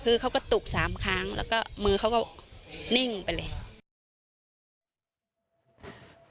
คือเขาก็ตุก๓ครั้งแล้วก็มือเขาก็นิ่งไปเลย